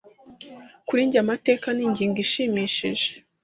Kuri njye, amateka ni ingingo ishimishije.